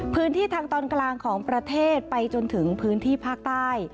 พื้นที่ทางตอนกลางของประเทศไปจนถึงพื้นที่ภาคใต้